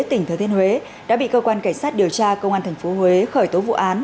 tỉnh thừa thiên huế đã bị cơ quan cảnh sát điều tra công an tp huế khởi tố vụ án